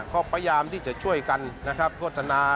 เขาพยายามที่จะช่วยกันโฆษณา